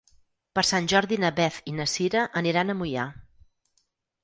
Per Sant Jordi na Beth i na Cira aniran a Moià.